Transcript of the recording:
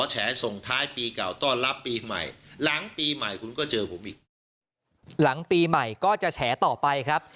หลังปีใหม่ก็จะแฉต่อไปครับ